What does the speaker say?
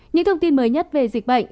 những thông tin mới nhất về dịch bệnh